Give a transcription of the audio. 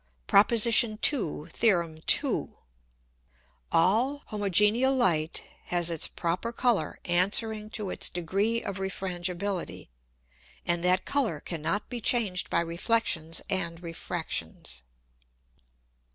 PROP. II. THEOR. II. _All homogeneal Light has its proper Colour answering to its Degree of Refrangibility, and that Colour cannot be changed by Reflexions and Refractions.